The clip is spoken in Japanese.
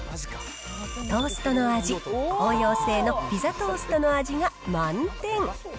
トーストの味、応用性のピザトーストの味が満点。